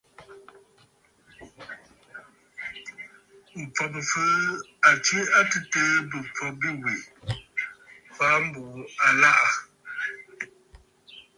M̀fɔ̀ Bɨ̀fɨɨ̀ à tswe a tɨtɨ̀ɨ bɨ̀fɔ̀ bîwè fàa mbùʼù àlaʼà.